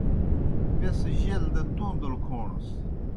بیْس جیل دہ تُوندل کھوݨَس۔